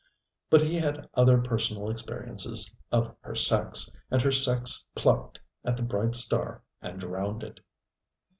But he had other personal experiences of her sex, and her sex plucked at the bright star and drowned it.